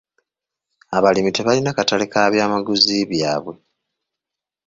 Abalimi tebalina katale k'ebyamaguzi byabwe.